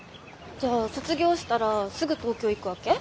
じゃあ卒業したらすぐ東京行くわけ？